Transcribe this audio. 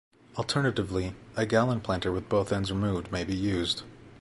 Alternatively, a gallon planter with both ends removed may be used.